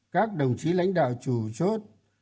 các đồng chí lãnh đạo chủ chốt